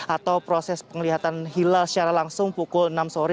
atau proses penglihatan hilal secara langsung pukul enam sore